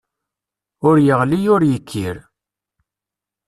Ur yeɣli ur yekkir.